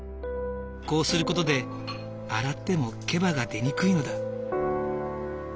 こうする事で洗ってもけばが出にくいのだ。